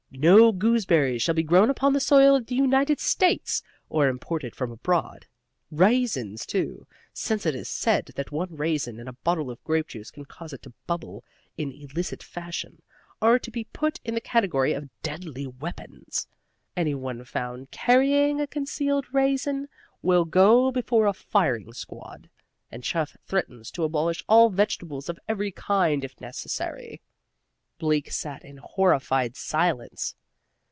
No gooseberries shall be grown upon the soil of the United States, or imported from abroad. Raisins too, since it is said that one raisin in a bottle of grape juice can cause it to bubble in illicit fashion, are to be put in the category of deadly weapons. Any one found carrying a concealed raisin will go before a firing squad. And Chuff threatens to abolish all vegetables of every kind if necessary." Bleak sat in horrified silence.